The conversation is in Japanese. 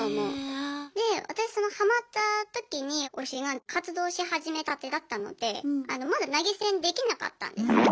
で私そのハマった時に推しが活動し始めたてだったのでまだ投げ銭できなかったんですよね。